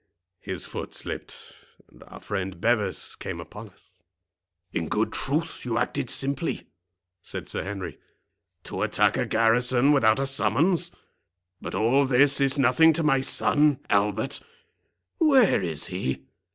His foot slipped, and our friend Bevis came upon us." "In good truth, you acted simply," said Sir Henry, "to attack a garrison without a summons. But all this is nothing to my son, Albert—where is he?